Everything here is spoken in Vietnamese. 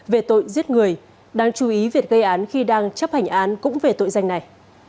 về tội giết người đáng chú ý việc gây án khi đang chấp hành án cũng về tội danh này